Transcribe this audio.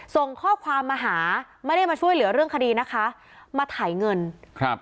ส่งข้อความมาหาไม่ได้มาช่วยเหลือเรื่องคดีนะคะมาถ่ายเงินครับ